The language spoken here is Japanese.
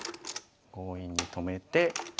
強引に止めて。